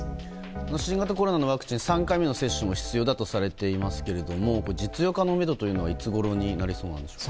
新型コロナのワクチン３回目の接種も必要だとされていますが実用可能のめどというのはいつごろになりそうでしょうか。